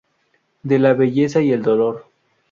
De la belleza y el dolor.